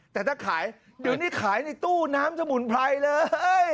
แต่ถ้าขายเดี๋ยวนี้ขายในตู้น้ำสมุนไพรเลย